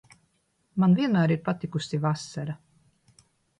Man vienmēr ir patikusi vasara.